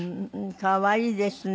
可愛いですね。